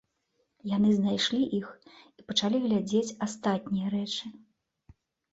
Яны знайшлі іх і пачалі глядзець астатнія рэчы.